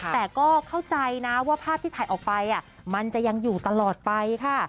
แต่ก็เข้าใจนะว่าภาพที่ถ่ายออกไปมันจะยังอยู่ตลอดไปค่ะ